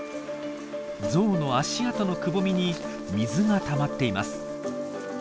ゾウの足跡のくぼみに水がたまっています。